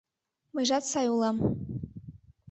Мыйжат сай улам.